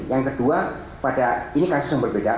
yang kedua pada ini kasus yang berbeda